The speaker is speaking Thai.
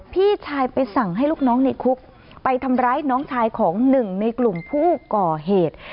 พี่ชายไปสั่งให้ลูกน้องในคุกไปทำร้ายน้องชายของหนึ่งในกลุ่มผู้ก่อเหตุ